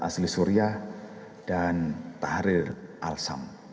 asli syria dan tahrir al sam